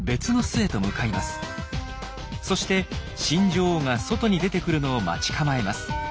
そして新女王が外に出てくるのを待ち構えます。